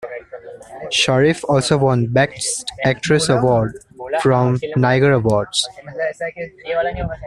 Sharif also won Best Actress award from Nigar Awards.